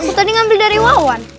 aku tadi ngambil dari wawan